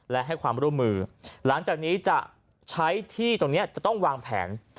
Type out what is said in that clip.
และให้ความร่วมมือหลังจากนี้จะใช้ที่ตรงนี้จะต้องวางแผน